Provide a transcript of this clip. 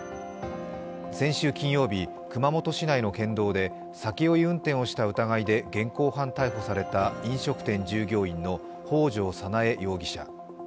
先週金曜日、熊本市内の県道で酒酔い運転をした疑いで現行犯逮捕された飲食店従業員の北條沙苗容疑者。